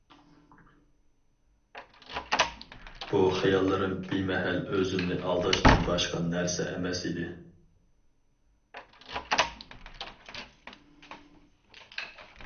بۇ خىياللىرىم بىمەھەل ئۆزۈمنى ئالداشتىن باشقا نەرسە ئەمەس ئىدى.